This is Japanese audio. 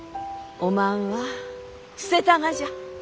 おまんは捨てたがじゃ。